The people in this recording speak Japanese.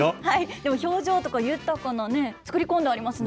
でも表情とか豊かなね、作り込んでありますね。